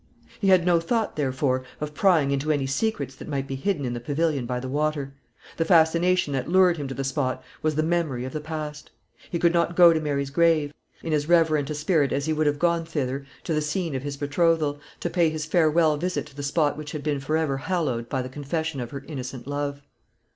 He had no thought, therefore, of prying into any secrets that might be hidden in the pavilion by the water. The fascination that lured him to the spot was the memory of the past. He could not go to Mary's grave; but he went, in as reverent a spirit as he would have gone thither, to the scene of his betrothal, to pay his farewell visit to the spot which had been for ever hallowed by the confession of her innocent love.